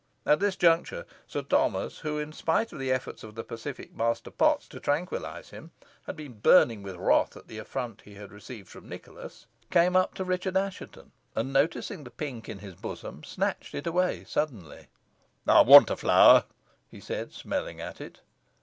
At this juncture, Sir Thomas, who, in spite of the efforts of the pacific Master Potts to tranquillise him, had been burning with wrath at the affront he had received from Nicholas, came up to Richard Assheton, and, noticing the pink in his bosom, snatched it away suddenly. "I want a flower," he said, smelling at it.